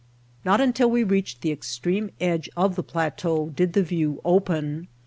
Not until we reached the extreme edge of the plateau did the view open.